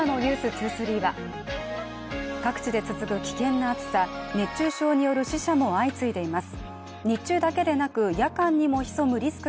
２３は各地で続く危険な暑さ、熱中症による死者も相次いでいます。